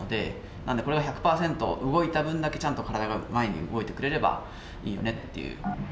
なんでこれが１００％動いた分だけちゃんと体が前に動いてくれればいいよねっていう。